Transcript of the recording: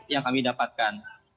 yang kami dapatkan